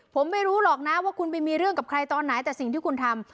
ผมไม่รู้หรอกนะว่าคุณไปมีเรื่องกับใครตอนไหนแต่สิ่งที่คุณทำ